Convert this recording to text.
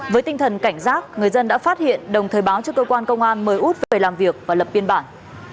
với tinh thần cảnh giác người dân đã phát hiện đồng thời báo cho cơ quan công an mời út về làm việc và lập biên bản